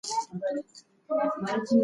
ده وویل شواهد کافي نه دي.